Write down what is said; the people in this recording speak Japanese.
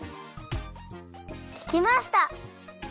できました。